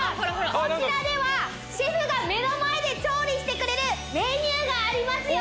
こちらではシェフが目の前で調理してくれるメニューがありますよ！